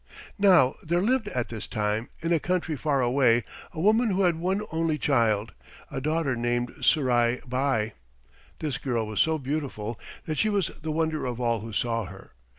Now there lived at this time, in a country far away, a woman who had one only child, a daughter named Surai Bai. This girl was so beautiful that she was the wonder of all who saw her.